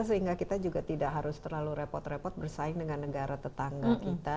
sehingga kita juga tidak harus terlalu repot repot bersaing dengan negara tetangga kita